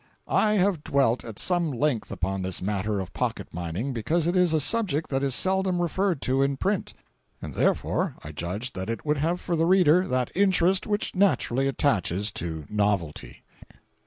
I have dwelt at some length upon this matter of pocket mining because it is a subject that is seldom referred to in print, and therefore I judged that it would have for the reader that interest which naturally attaches to novelty.